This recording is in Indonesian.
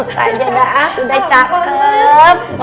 ustazah udah cakep